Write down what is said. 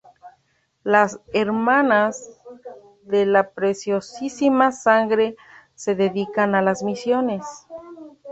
Las hermanas de la Preciosísima Sangre se dedican a las misiones.